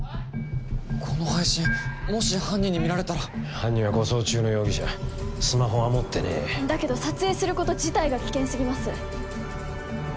この配信もし犯人に見られたら犯人は護送中の容疑者スマホは持ってねえだけど撮影すること自体が危険すぎます